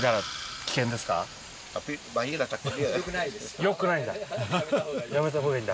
よくないんだ。